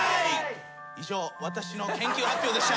以上私の研究発表でした。